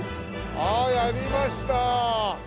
あっやりました！